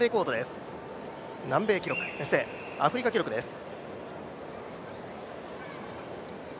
記録アフリカ記録です。